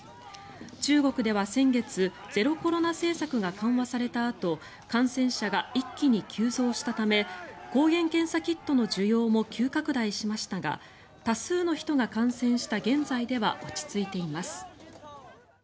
中国では先月ゼロコロナ政策が緩和されたあと感染者が一気に急増したため抗原検査キットの需要も急拡大しましたが多数の人が感染した現在では落ち着いています。